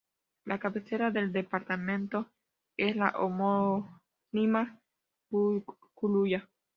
La cabecera del departamento es la homónima Mburucuyá.